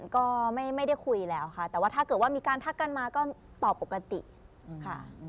ก็ไม่ได้คุยแล้วค่ะแต่ว่าถ้าเกิดว่ามีการทักกันมาก็ตอบปกติค่ะ